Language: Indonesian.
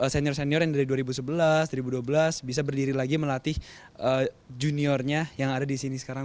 senior senior yang dari dua ribu sebelas dua ribu dua belas bisa berdiri lagi melatih juniornya yang ada di sini sekarang